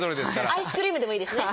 アイスクリームでもいいですね。